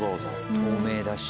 透明だし。